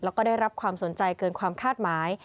แล้วก็ได้รับความสนใจเกินความคาดหมาย